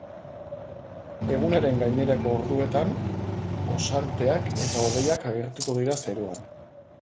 Egunaren gainerako orduetan, ostarteak eta hodeiak agertuko dira zeruan.